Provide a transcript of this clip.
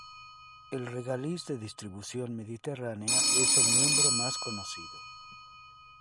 El regaliz de distribución mediterránea es el miembro más conocido.